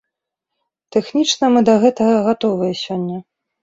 Тэхнічна мы да гэтага гатовыя сёння.